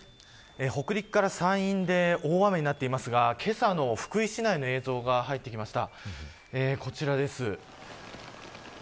北陸から山陰で大雨になっていますがけさの福井市内の映像が入ってきました。